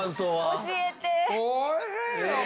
教えて！